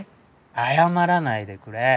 謝らないでくれ。